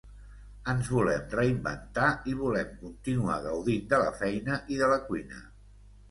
Ens volem reinventar i volem continuar gaudint de la feina i de la cuina.